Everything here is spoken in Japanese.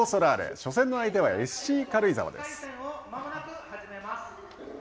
初戦の相手はＳＣ軽井沢です。